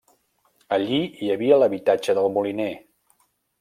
Allí hi havia l'habitatge del moliner.